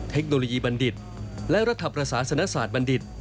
เทคโนโลยีบัณฑิตและรัฐประสาสนศาสตร์บัณฑิต